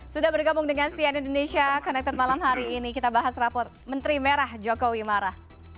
sudah bergabung dengan cn indonesia connected malam hari ini kita bahas rapor menteri merah jokowi marah